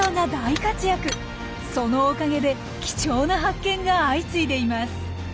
そのおかげで貴重な発見が相次いでいます。